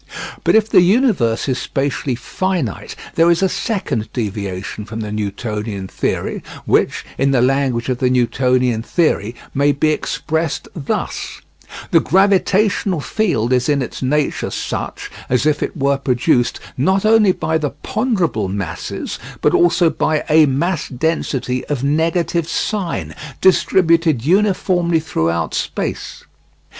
But if the universe is spatially finite there is a second deviation from the Newtonian theory, which, in the language of the Newtonian theory, may be expressed thus: The gravitational field is in its nature such as if it were produced, not only by the ponderable masses, but also by a mass density of negative sign, distributed uniformly throughout space.